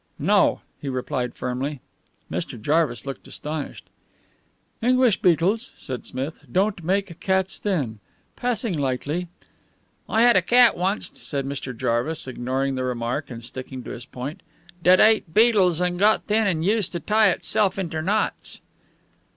"No," he replied firmly. Mr. Jarvis looked astonished. "English beetles," said Smith, "don't make cats thin. Passing lightly " "I had a cat oncst," said Mr. Jarvis, ignoring the remark and sticking to his point, "dat ate beetles and got thin and used to tie itself inter knots."